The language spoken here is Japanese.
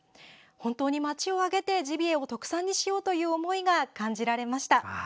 本当に町を挙げてジビエを特産にしようという思いが感じられました。